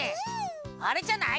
あれじゃない？